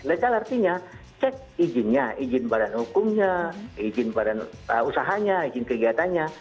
legal artinya cek izinnya izin badan hukumnya izin badan usahanya izin kegiatannya